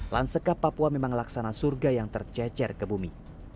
lansekap papua memang laksana surga yang tercecer ke bumi